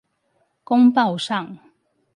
公報上